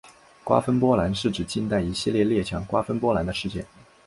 瓜分波兰是指近代一系列列强瓜分波兰的事件。